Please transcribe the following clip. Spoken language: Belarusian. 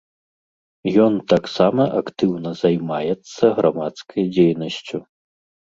Ён таксама актыўна займаецца грамадскай дзейнасцю.